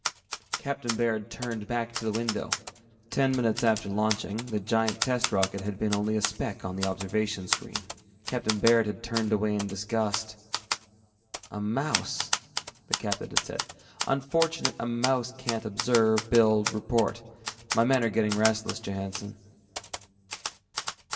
Captain Baird turned back to the window. Six months ago it had happened. Ten minutes after launching, the giant test rocket had been only a speck on the observation screen. Captain Baird had turned away in disgust. "A mouse!" the captain had said, "unfortunate a mouse can't observe, build, report. My men are getting restless, Johannsen."